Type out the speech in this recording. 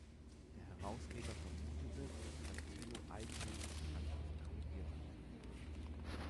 Der Herausgeber vermutete, dass Tilo eigenhändig die Handschrift korrigiert hat.